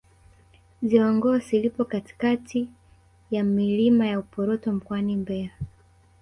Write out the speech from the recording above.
ziwa ngosi lipo katika ya milima ya uporoto mkoani mbeya